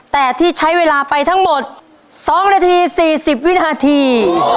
แต่ที่ใช้เวลาไปทั้งหมดสองนาทีสี่สิบวินาที